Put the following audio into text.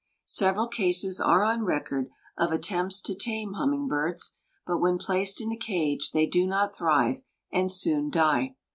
Several cases are on record of attempts to tame humming birds, but when placed in a cage they do not thrive, and soon die.